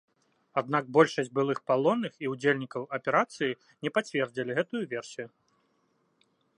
Аднак большасць былых палонных і ўдзельнікаў аперацыі не пацвердзілі гэтую версію.